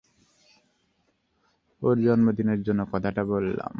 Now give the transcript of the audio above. ওর জন্মদিনের জন্য কথাটা বললাম!